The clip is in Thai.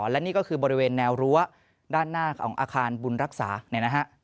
และนี่ก็คือบริเวณแนวรั้วด้านหน้าของอาคารบุญรักษาเนี่ยนะฮะ